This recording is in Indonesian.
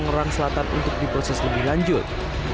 tangerang selatan untuk diproses lebih lanjut